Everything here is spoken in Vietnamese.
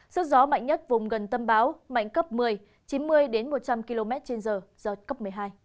sức gió mạnh nhất vùng gần tâm báo mạnh cấp một mươi chín mươi một trăm linh km trên giờ giật cấp một mươi hai